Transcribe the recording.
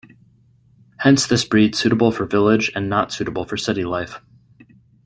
Hence this breed suitable for village and not suitable for city life.